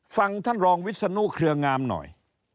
ฟังท่านรองวิศนุเครืองามหน่อย